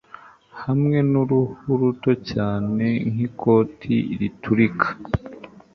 Hamwe nuruhu ruto cyane nkikoti riturika